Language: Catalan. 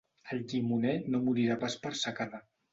El llimoner no morirà pas per secada.